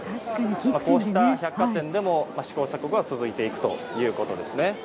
こうした百貨店でも試行錯誤は続いていくということです。